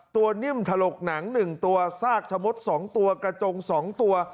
นิ่มถลกหนัง๑ตัวซากชะมด๒ตัวกระจง๒ตัว